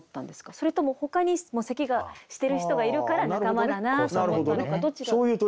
それともほかに咳がしてる人がいるから仲間だなと思ったのかどっちかと。